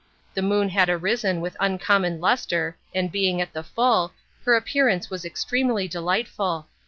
The Moon had arisen with uncommon lustre, and being at the full, her appearance was extremely delightful.